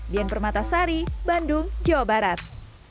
dian permata sari bandung jawa barat